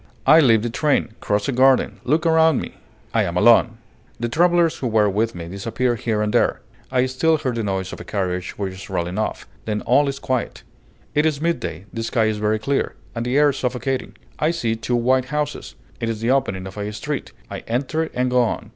I leave the train, cross a garden, look around me. I am alone. The travelers who were with me disappear here and there; I still hear the noise of a carriage which is rolling off; then all is quiet. It is midday, the sky is very clear, and the air suffocating. I see two white houses; it is the opening of a street; I enter and go on.